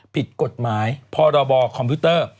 ผิดกฎหมายพรบคอมพิวเตอร์